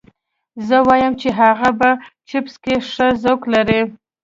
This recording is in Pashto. زه وایم چې هغه په چپس کې ښه ذوق لري